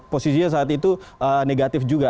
posisinya saat itu negatif juga